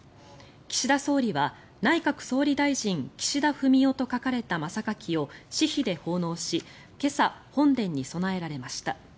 岸田総理は「内閣総理大臣岸田文雄」と書かれた真榊を私費で奉納し今朝、本殿に供えられました。